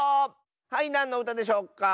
はいなんのうたでしょうか？